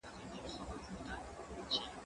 سبزېجات د زهشوم له خوا خوړل کيږي!؟